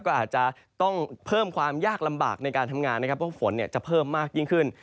ก็อาจจะต้องเพิ่มความยากลำบากในการทำงานนะครับเพราะฝนจะเพิ่มมากยิ่งขึ้น